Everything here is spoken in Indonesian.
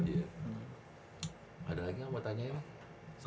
ada lagi yang mau tanyain mah